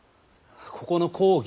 ここの講義！